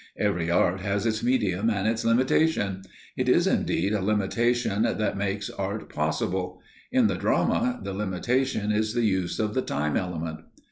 Every art has its medium and its limitation. It is indeed a limitation that makes art possible. In the drama the limitation is the use of the time element.